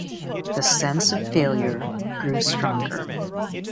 The sense of failure grew stronger.